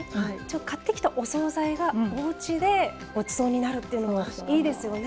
買ってきたお総菜がおうちでごちそうになるっていうのいいですよね。